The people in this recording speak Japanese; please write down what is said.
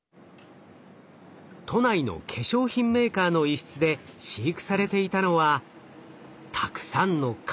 都内の化粧品メーカーの一室で飼育されていたのはたくさんの蚊！